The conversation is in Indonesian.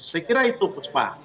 sekiranya itu bu spa